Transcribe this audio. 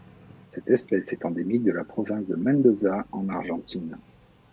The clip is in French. Cette espèce est endémique de la province de Mendoza en Argentine.